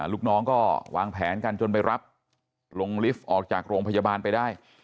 ลูกน้องก็วางแผนกันจนไปรับลงลิฟต์ออกจากโรงพยาบาลไปได้